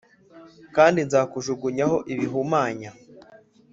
Kandi nzakujugunyaho ibihumanya